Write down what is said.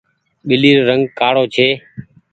ٻلي رو رنگ ڪآڙو ڇي۔